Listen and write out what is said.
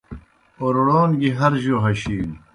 اورڑون گیْ ہر جو ہشِینوْ۔